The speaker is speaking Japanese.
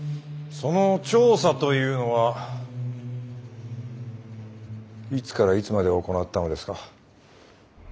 その調査というのはいつからいつまで行ったのですか？